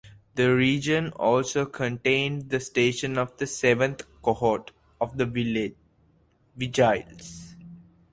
The region also contained the station of the seventh cohort of the "Vigiles".